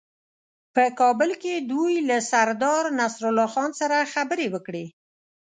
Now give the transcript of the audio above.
په کابل کې دوی له سردارنصرالله خان سره خبرې وکړې.